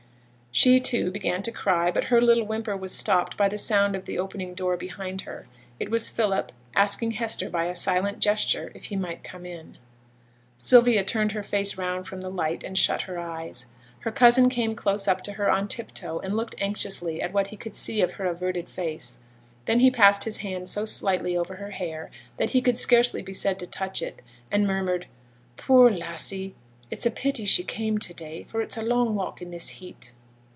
She, too, began to cry, but her little whimper was stopped by the sound of the opening door behind her. It was Philip, asking Hester by a silent gesture if he might come in. Sylvia turned her face round from the light, and shut her eyes. Her cousin came close up to her on tip toe, and looked anxiously at what he could see of her averted face; then he passed his hand so slightly over her hair that he could scarcely be said to touch it, and murmured 'Poor lassie! it's a pity she came to day, for it's a long walk in this heat!'